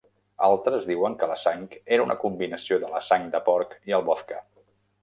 Altres diuen que la sang era una combinació de la sang de porc i el vodka.